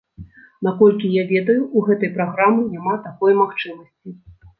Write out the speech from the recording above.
Наколькі я ведаю, у гэтай праграмы няма такой магчымасці.